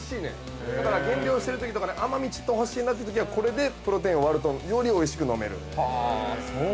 減量してるときとかね甘み、ちょっと欲しいなというときはこれでプロテインを割るとよりおいしく飲める。